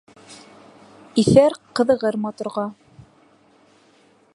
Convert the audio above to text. Иҫәр ҡыҙығыр матурға.